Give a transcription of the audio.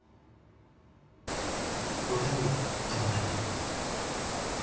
俺はもう跳ばないんで。